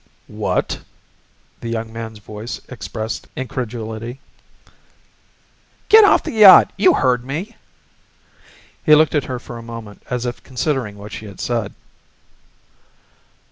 "What?" the young man's voice expressed incredulity. "Get off the yacht! You heard me!" He looked at her for a moment as if considering what she had said.